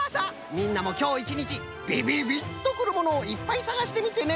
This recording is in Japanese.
みんなもきょういちにちビビビッとくるものをいっぱいさがしてみてね！